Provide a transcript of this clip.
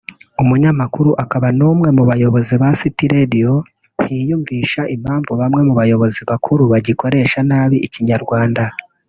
umunyamakuru akaba n’ umwe mu bayobozi ba City Radio ntiyiyumvisha impamvu bamwe mu bayobozi bakuru bagikoresha nabi Ikinyarwanda